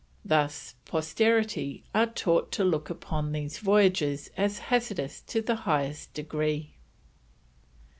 Thus Posterity are taught to look upon these Voyages as hazardous to the highest degree."